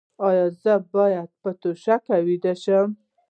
ایا زه باید په توشک ویده شم؟